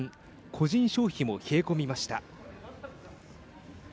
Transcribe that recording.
個人消費も冷え込みました。